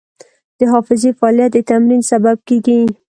د حافظې فعالیت د تمرین سبب کېږي.